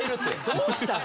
どうしたの？